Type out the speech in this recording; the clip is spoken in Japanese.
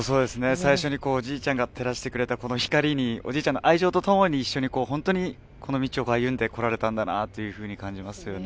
最初におじいちゃんが照らしてくれた光におじいちゃんの愛情と共に一緒に本当にこの道を歩んでこられたんだなというふうに感じますね。